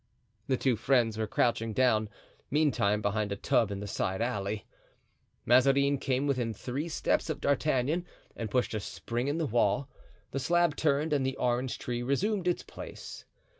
The two friends were crouching down, meantime, behind a tub in the side alley. Mazarin came within three steps of D'Artagnan and pushed a spring in the wall; the slab turned and the orange tree resumed its place.